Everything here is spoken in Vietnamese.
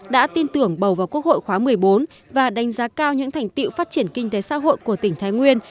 đã tin tưởng bầu vào quốc hội khóa một mươi bốn và đánh giá cao những thành tiệu phát triển kinh tế xã hội của tỉnh thái nguyên